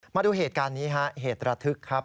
มาดูเหตุการณ์นี้ฮะเหตุระทึกครับ